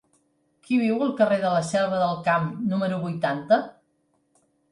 Qui viu al carrer de la Selva del Camp número vuitanta?